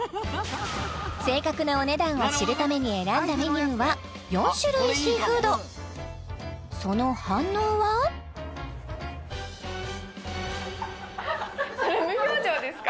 正確なお値段を知るために選んだメニューは４種類シーフードその反応はそれ無表情ですか？